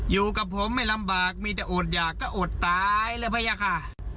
อยู่กับผมไม่ลำบากมีแต่อดอยากก็อดตายเลยพยายามค่ะ